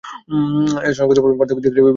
এ আচরণগত পার্থক্য দিক অভিমুখী নির্বাচনের ফল।